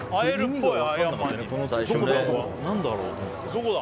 どこだ？